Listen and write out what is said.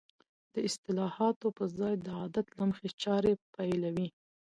د اصلاحاتو په ځای د عادت له مخې چارې پيلوي.